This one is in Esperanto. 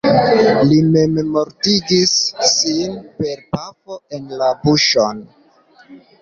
Li memmortigis sin per pafo en la buŝon.